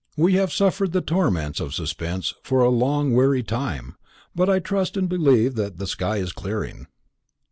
We have suffered the torments of suspense for a long weary time, but I trust and believe that the sky is clearing."